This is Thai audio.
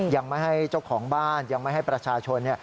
ยังไม่ให้เจ้าของบ้านยังไม่ให้ประชาชน